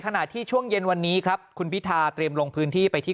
ขณะที่ช่วงเย็นวันนี้ครับคุณพิธาเตรียมลงพื้นที่ไปที่